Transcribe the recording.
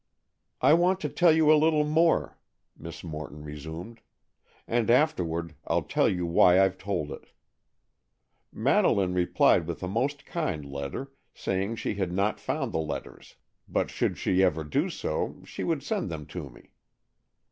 "I want to tell you a little more," Miss Morton resumed, "and afterward I'll tell you why I've told it. Madeleine replied with a most kind letter, saying she had not found the letters, but should she ever do so, she would send them to me.